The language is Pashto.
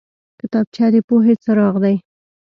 کتابچه د پوهې څراغ دی